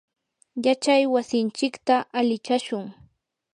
yachay wasinchikta alichashun.